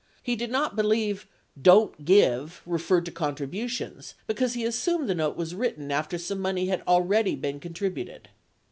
He did not believe "Didn't give" referred to contributions, because he assumed the note was written after some money had already been contributed.